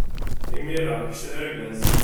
Imir-a, kečč d argaz.